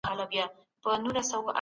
ډګر څېړنه موږ ته رښتیني ارقام راکوي.